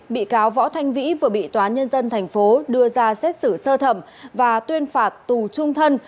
bị cáo võ thanh vĩ vừa bị tòa nhân dân tp đưa ra xét xử sơ thẩm và tuyên phạt tù trung thân